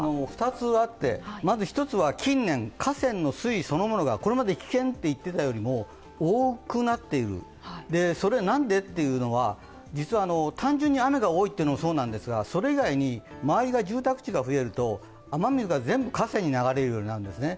２つあってまず１つは近年、河川の水位そのものがこれまで危険といっていたよりも多くなっている、何でというのは、実は単純に雨が多いというのもそうなんですが、それ以外に、周りが住宅地が増えると雨水が全部河川に流れるようになるんですね。